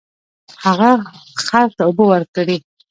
هغه خر ته اوبه ورکړې.